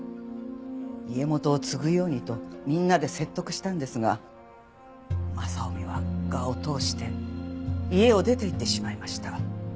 家元を継ぐようにとみんなで説得したんですが雅臣は我を通して家を出ていってしまいました。